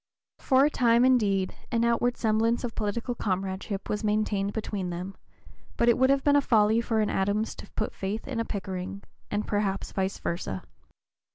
For a time, indeed, an outward semblance of political comradeship was maintained between them, but it would have been folly for an Adams to put faith in a Pickering, and perhaps vice versa.